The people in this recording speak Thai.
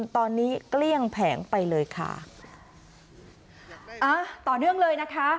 ตอนนี้เกลี้ยงแผงไปเลยค่ะอ่าต่อเนื่องเลยนะคะ